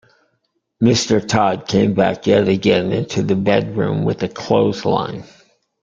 Mr Tod came back yet again into the bedroom with a clothes line.